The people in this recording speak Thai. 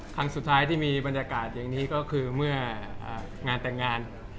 ครั้งสุดท้ายที่มีบรรยากาศอย่างนี้ก็คือเมื่องานแต่งงาน